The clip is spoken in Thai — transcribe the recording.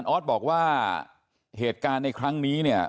ออสบอกว่าเหตุการณ์ในครั้งนี้เนี่ย